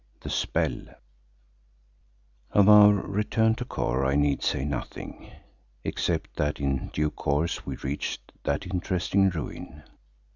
THE SPELL Of our return to Kôr I need say nothing, except that in due course we reached that interesting ruin.